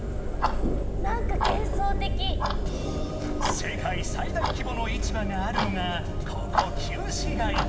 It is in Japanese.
［世界最大規模の市場があるのがここ旧市街］